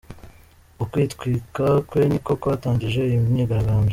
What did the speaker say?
Ukwitwika kwe niko kwatangije iyi myigaragambyo.